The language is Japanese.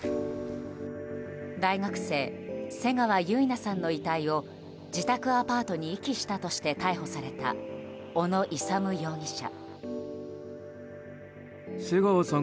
大学生・瀬川結菜さんの遺体を自宅アパートに遺棄したとして逮捕された小野勇容疑者。